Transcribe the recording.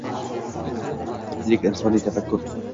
Lek insoniy tafakkur —